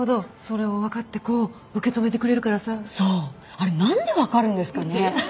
あれなんでわかるんですかね？